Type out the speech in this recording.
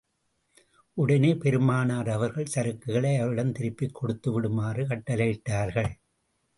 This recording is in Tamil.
உடனே பெருமானார் அவர்கள், சரக்குகளை அவரிடம் திருப்பிக் கொடுத்து விடுமாறு கட்டளையிட்டார்கள்.